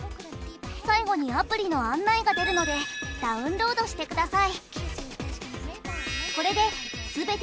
最後にアプリの案内が出るのでダウンロードしてください。